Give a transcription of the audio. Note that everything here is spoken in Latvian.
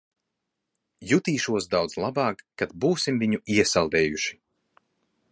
Jutīšos daudz labāk, kad būsim viņu iesaldējuši.